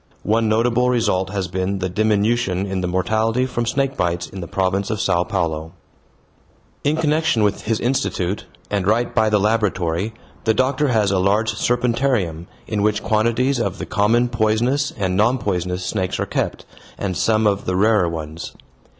One notable result has been the diminution in the mortality from snake bites in the province of Sao Paulo. In connection with his institute, and right by the laboratory, the doctor has a large serpentarium, in which quantities of the common poisonous and non poisonous snakes are kept, and some of the rarer ones.